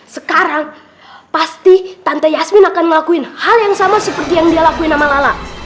sekarang pasti tante yasmin akan ngelakuin hal yang sama seperti yang dia lakuin nama lala